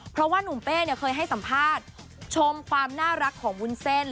เพราะว่านุ่มเป้เนี่ยเคยให้สัมภาษณ์ชมความน่ารักของวุ้นเส้น